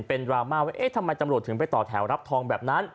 เป็นดราม่าว่าเอ๊ะทำไมตำรวจถึงไปต่อแถวรับทองแบบนั้น